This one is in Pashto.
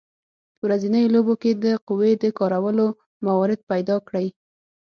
په ورځنیو لوبو کې د قوې د کارولو موارد پیداکړئ.